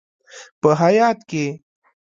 په هیات کې: